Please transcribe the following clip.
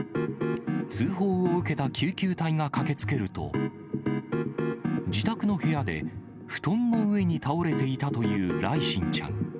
通報を受けた救急隊が駆けつけると、自宅の部屋で、布団の上に倒れていたという來心ちゃん。